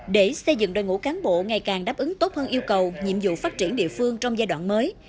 để xây dựng đội ngũ cán bộ ngày càng đáp ứng tốt hơn yêu cầu nhiệm vụ phát triển địa phương trong giai đoạn mới